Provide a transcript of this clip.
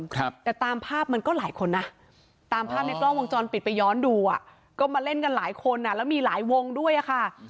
ครับแต่ตามภาพมันก็หลายคนนะตามภาพในกล้องวงจรปิดไปย้อนดูอ่ะก็มาเล่นกันหลายคนอ่ะแล้วมีหลายวงด้วยอ่ะค่ะ